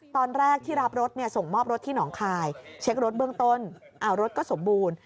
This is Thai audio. ตอนแรกที่รับรถส่งมอบรถที่หนองคายเช็ครถเบื้องต้นรถก็สมบูรณ์